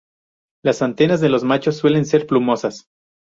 Las antenas de los machos suelen ser plumosas.